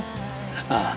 ああ。